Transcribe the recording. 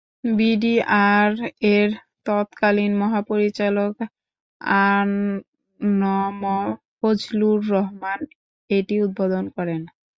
বিডিআর-এর তৎকালীন মহাপরিচালক আ ন ম ফজলুর রহমান এটি উদ্বোধন করেন।